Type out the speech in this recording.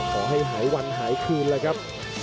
ขอให้หายวันหายคืนแล้วครับ